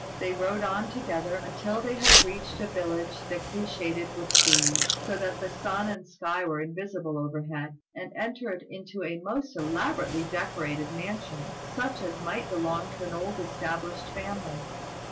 They rode on together until they had reached a village thickly shaded with trees, so that the sun and sky were invisible overhead, and entered into a most elaborately decorated mansion, such as might belong to an old established family.